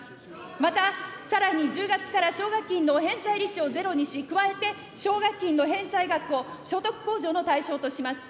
また、さらに１０月から奨学金の返済利子をゼロにし、加えて、奨学金の返済額を所得控除の対象とします。